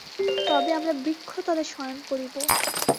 তবে আমরা বৃক্ষতলে শয়ন করিব।